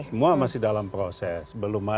semua masih dalam proses